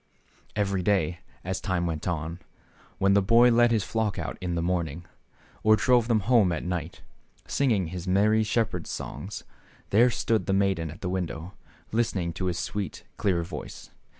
Every day, as time went on, when the boy led his flock out in tkejmorning, or drove them home at night, singing his merry shepherd's songs, there stood the maiden at the window, listening to his sweet, clear voice.